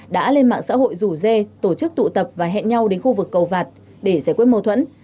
đã lên mạng xã hội rủ dê tổ chức tụ tập và hẹn nhau đến khu vực cầu vạt để giải quyết mâu thuẫn